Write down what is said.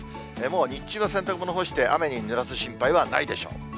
もう日中は洗濯物干して、雨にぬらす心配はないでしょう。